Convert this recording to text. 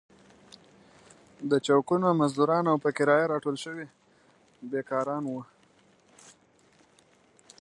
د چوکونو مزدوران او په کرايه راټول شوي بېکاران وو.